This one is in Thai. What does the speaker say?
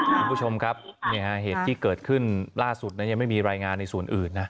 คุณผู้ชมครับเหตุที่เกิดขึ้นล่าสุดยังไม่มีรายงานในส่วนอื่นนะ